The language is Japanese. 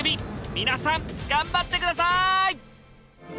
皆さん頑張って下さい！